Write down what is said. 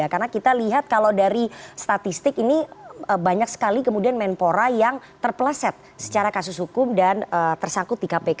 karena kita lihat kalau dari statistik ini banyak sekali kemudian menpora yang terpleset secara kasus hukum dan tersangkut di kpk